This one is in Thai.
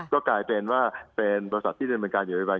ก็กลายเป็นว่าเป็นบริษัทที่เป็นเหมือนการอยู่ในบริษัท